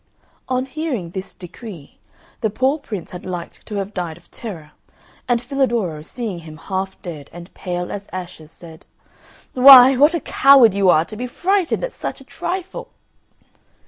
On hearing this decree the poor Prince had liked to have died of terror, and Filadoro, seeing him half dead and pale as ashes, said, "Why! What a coward you are to be frightened at such a trifle."